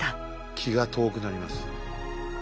気が遠くなります。